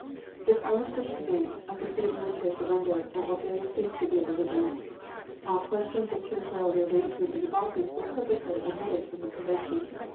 This armistice meant a complete military surrender, and Bulgaria ceased to be a belligerent. All questions of territorial rearrangement in the Balkans were purposely omitted from the Convention.